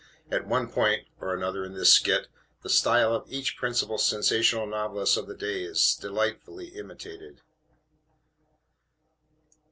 At one point or another in this skit, the style of each principal sensational novelist of the day is delightfully imitated.